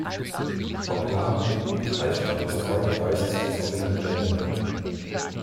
Opladen blieb Kreisstadt des neuen Kreises Solingen-Lennep.